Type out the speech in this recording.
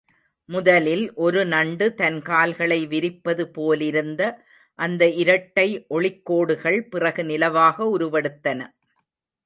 முதலில் ஒரு நண்டு தன் கால்களை விரிப்பது போலிருந்த அந்த இரட்டை ஒளிக்கோடுகள் பிறகு நிலவாக உருவெடுத்தன.